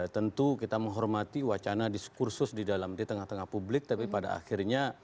tentu kita menghormati wacana diskursus di dalam di tengah tengah publik tapi pada akhirnya